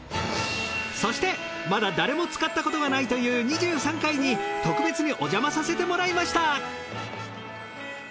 そしてまだ誰も使ったことがないという２３階に特別にお邪魔させてもらいました。